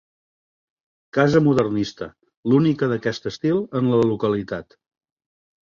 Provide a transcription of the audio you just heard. Casa modernista, l'única d'aquest estil en la localitat.